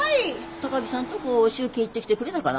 高田さんとこ集金行ってきてくれたかな？